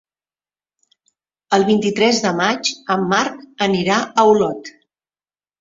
El vint-i-tres de maig en Marc anirà a Olot.